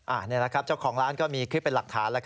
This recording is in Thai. อันนี้แหละครับเจ้าของร้านก็มีคลิปเป็นหลักฐาน